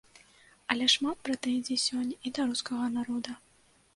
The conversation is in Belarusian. Але шмат прэтэнзій сёння і да рускага народа.